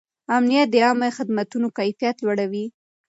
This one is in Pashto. امنیت د عامه خدمتونو کیفیت لوړوي.